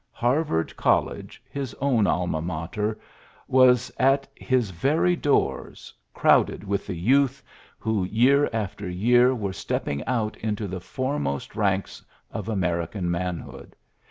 Harvard College, his own Al ma MateVy was at his very doors, crowded 74 PHILLIPS BROOKS with, the youth, who year after year were stepping out into the foremost ranks of American manhood.